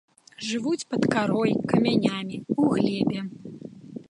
Жывуць пад карой, камянямі, у глебе.